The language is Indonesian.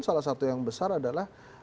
salah satu yang besar adalah